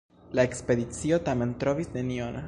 La ekspedicio tamen trovis nenion.